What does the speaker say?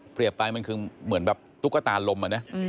เปรียบไปมันคือเหมือนแบบตุ๊กตาลลมอะเนี่ย